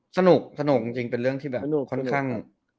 สนุกสนุกจริงเป็นเรื่องที่แบบค่อนข้าง